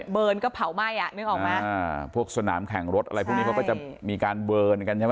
เบิร์นก็เผาไหม้อะนึกออกไหมอ่าพวกสนามแข่งรถอะไรพวกนี้เขาก็จะมีการเบิร์นกันใช่ไหม